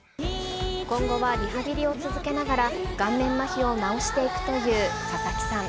今後はリハビリを続けながら、顔面まひを治していくという佐々木さん。